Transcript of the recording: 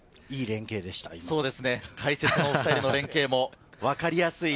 解説のお２人の連係もわかりやすいです。